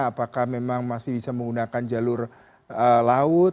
apakah memang masih bisa menggunakan jalur laut